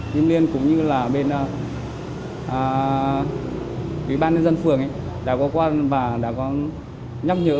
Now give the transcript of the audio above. tìm liên cũng như là bên bán nhân dân phường đã có qua và đã có nhắc nhớ